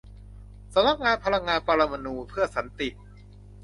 สำนักงานพลังงานปรมาณูเพื่อสันติ